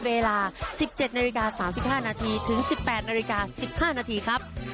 เวลา๑๗๓๕ถึง๑๘๑๕นะครับ